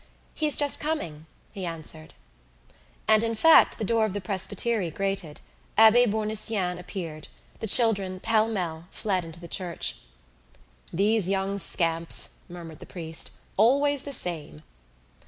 "He is just coming," he answered. And in fact the door of the presbytery grated; Abbe Bournisien appeared; the children, pell mell, fled into the church. "These young scamps!" murmured the priest, "always the same!"